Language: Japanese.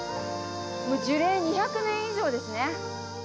樹齢２００年以上ですね。